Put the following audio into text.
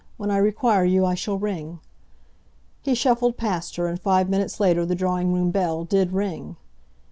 When I require you I shall ring." He shuffled past her, and five minutes later the drawing room bell did ring.